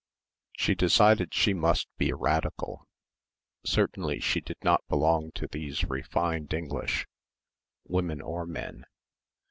She decided she must be a Radical. Certainly she did not belong to these "refined" English women or men.